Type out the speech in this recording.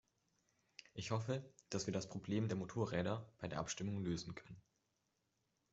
Ich hoffe, dass wir das Problem der Motorräder bei der Abstimmung lösen können.